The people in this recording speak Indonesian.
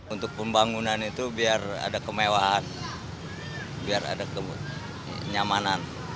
untuk pembangunan itu biar ada kemewahan biar ada kenyamanan